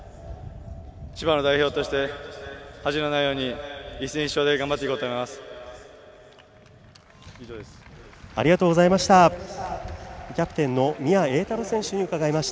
千葉の代表として恥のないように一戦一勝で頑張っていこうと思います。